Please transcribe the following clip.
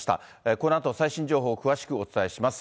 このあと最新情報を詳しくお伝えします。